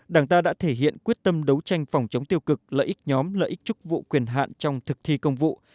đảng ta đã thể hiện quyết tâm đấu tranh phòng chống tiêu cực lợi ích nhóm lợi ích chức vụ quyền hạn trong thực thi công vụ